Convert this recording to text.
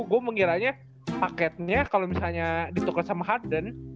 gue mengiranya paketnya kalo misalnya dituker sama harden